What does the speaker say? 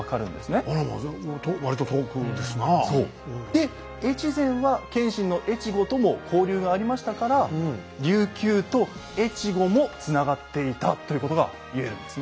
で越前は謙信の越後とも交流がありましたから琉球と越後もつながっていたということが言えるんですね。